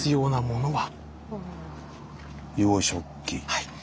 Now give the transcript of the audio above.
はい。